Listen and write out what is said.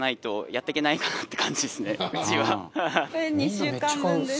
これ２週間分です。